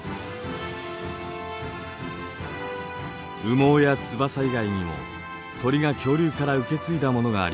羽毛や翼以外にも鳥が恐竜から受け継いだものがあります。